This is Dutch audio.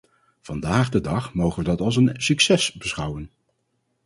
Vandaag de dag mogen we dat als een succes beschouwen.